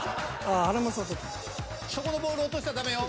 そこのボール落としたらダメよ。